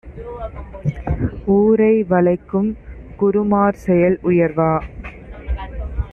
ஊரை வளைக்கும்குரு மார்செயல் உயர்வா?